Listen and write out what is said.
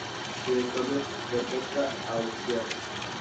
Director de orquesta austriaco.